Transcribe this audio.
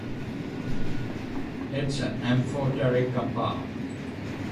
It is an amphoteric compound.